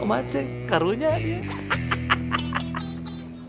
om acing karunya dia